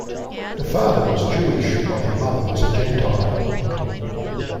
Her father was Jewish while her mother was a gentile.